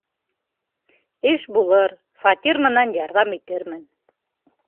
Эш булыр, фатир менән ярҙам итермен...